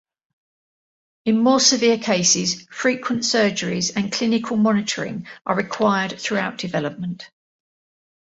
In more severe cases, frequent surgeries and clinical monitoring are required throughout development.